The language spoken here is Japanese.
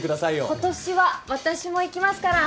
今年は私も行きますから。